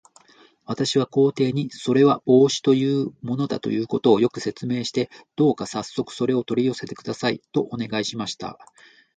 私は皇帝に、それは帽子というものだということを、よく説明して、どうかさっそくそれを取り寄せてください、とお願いしました。